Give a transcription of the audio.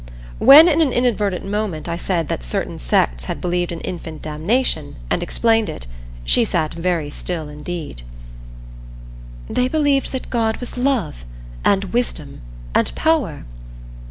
When in an inadvertent moment I said that certain sects had believed in infant damnation and explained it she sat very still indeed. "They believed that God was Love and Wisdom and Power?"